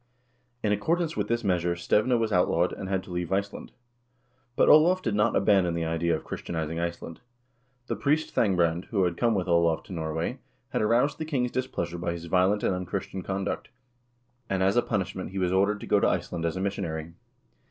In accord ance with this measure Stevne was outlawed, and had to leave Ice land. But Olav did not abandon the idea of Christianizing Iceland. The priest Thangbrand, who had come with Olav to Norway, had aroused the king's displeasure by his violent and unchristian conduct, and as a punishment he was ordered to go to Iceland as a missionary.